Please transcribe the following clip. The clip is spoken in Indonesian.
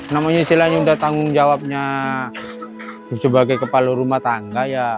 namanya istilahnya udah tanggung jawabnya sebagai kepala rumah tangga ya